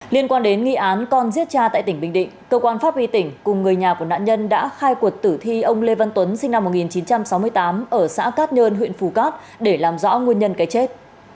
liên quan đến nghị án con giết cha tại tỉnh bình định cơ quan pháp y tỉnh cùng người nhà của nạn nhân đã khai quật tử thi ông lê văn tuấn sinh năm một nghìn chín trăm sáu mươi tám ở xã cát nhơn huyện phú cát để làm rõ nguyên nhân cái chết